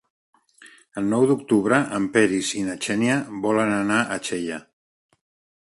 El nou d'octubre en Peris i na Xènia volen anar a Xella.